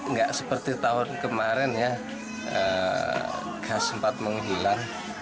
nggak seperti tahun kemarin ya gas sempat menghilang